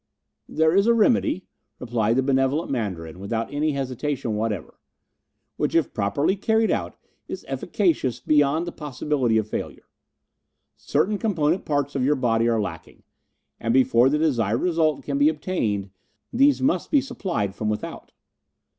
"There is a remedy," replied the benevolent Mandarin, without any hesitation whatever, "which if properly carried out is efficacious beyond the possibility of failure. Certain component parts of your body are lacking, and before the desired result can be obtained these must be supplied from without.